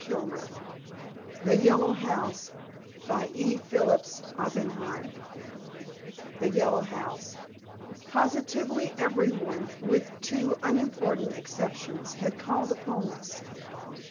Collier & Son THE YELLOW HOUSE CHAPTER I THE YELLOW HOUSE Positively every one, with two unimportant exceptions, had called upon us.